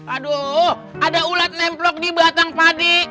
aduh ada ulat nemplok di batang padi